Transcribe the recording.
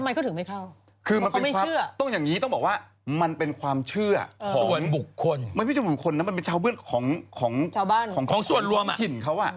มันไม่ใช่ส่วนบุคคลมันเป็นชาวบ้านของท้องถิ่นเขา